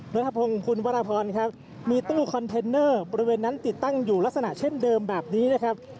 รัฐพงศ์คุณวรพรครับมีตู้คอนเทนเนอร์บริเวณนั้นติดตั้งอยู่ลักษณะเช่นเดิมแบบนี้นะครับ